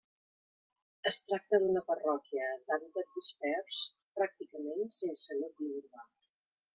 Es tracta d'una parròquia d'hàbitat dispers, pràcticament sense nucli urbà.